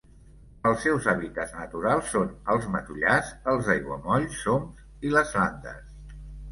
Els seus hàbitats naturals són els matollars, els aiguamolls soms i les landes.